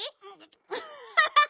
アハハハ！